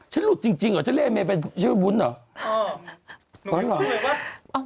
ฉันหลุดจริงเหรอฉันเล่เมไปชื่อวุ้นหรอก